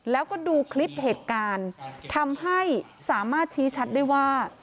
แล้วก็ดูคลิปเหตุการณ์ทำให้สามารถชี้ชัดได้ว่า